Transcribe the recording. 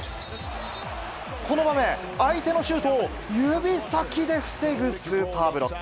この場面、相手のシュートを、指先で防ぐスーパーブロック。